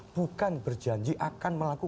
bukan berjanji akan memanfaatkan